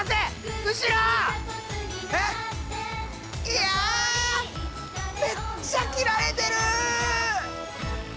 いやめっちゃ切られてる！